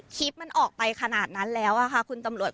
คลิปมันออกไปขนาดนั้นแล้วค่ะคุณตำรวจ